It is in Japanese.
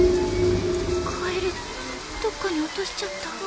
カエルどっかに落としちゃった。